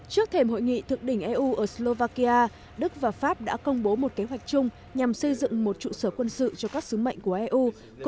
trước thềm hội nghị thực đỉnh eu ở slovakia đức và pháp đã công bố một kế hoạch chung nhằm xây dựng một trụ sở quân sự cho các nước